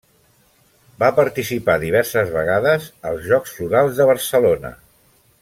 Va participar diverses vegades als Jocs Florals de Barcelona.